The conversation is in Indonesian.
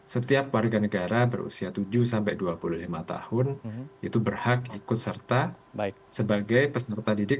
setiap warga negara berusia tujuh sampai dua puluh lima tahun itu berhak ikut serta sebagai peserta didik